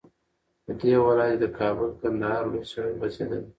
په دې ولايت كې د كابل- كندهار لوى سړك غځېدلى